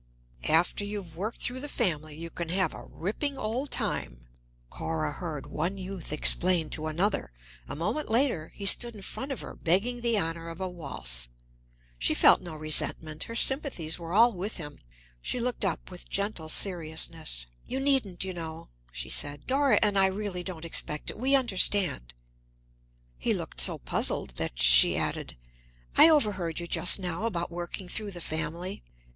"After you've worked through the family, you can have a ripping old time," Cora heard one youth explain to another; a moment later he stood in front of her, begging the honor of a waltz. She felt no resentment; her sympathies were all with him. She looked up with gentle seriousness. "You needn't, you know," she said. "Dora and I don't really expect it we understand." He looked so puzzled that she added: "I overheard you just now, about 'working through the family.'"